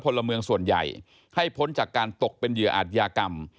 พลเมืองส่วนใหญ่ให้พ้นจากการตกเป็นเหยื่ออาจยากรรม